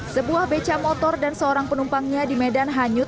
sebuah beca motor dan seorang penumpangnya di medan hanyut